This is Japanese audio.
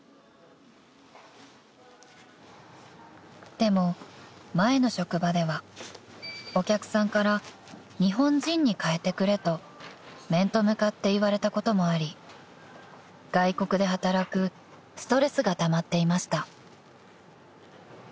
［でも前の職場ではお客さんから「日本人にかえてくれ」と面と向かって言われたこともあり外国で働くストレスがたまっていました］